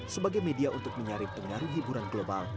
sebagai media untuk menyaring pengaruh hiburan global